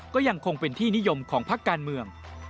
ก็ยังคงเป็นที่นิยมของพักการเมือง